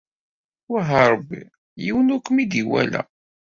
Wah a Ṛebbi yiwen ur kem-id-iwala.